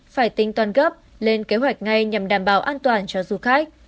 phải tinh toàn gấp lên kế hoạch ngay nhằm đảm bảo an toàn cho du khách